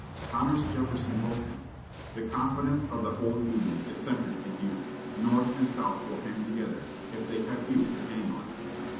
Thomas Jefferson wrote him: "The confidence of the whole Union is centred in you.... North and South will hang together, if they have you to hang on."